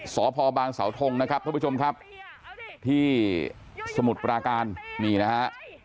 สพบางสาวทงนะครับท่านผู้ชมครับที่สมุทรปราการนี่นะฮะ